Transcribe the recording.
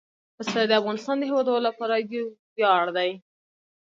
پسه د افغانستان د هیوادوالو لپاره یو ویاړ دی.